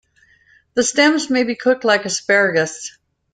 The stems may be cooked like asparagus.